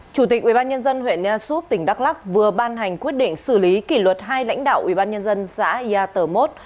chủ tịch ubnd huyện ea súp tỉnh đắk lắc vừa ban hành quyết định xử lý kỷ luật hai lãnh đạo ubnd xã yà tờ mốt